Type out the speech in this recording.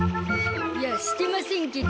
いやしてませんけど。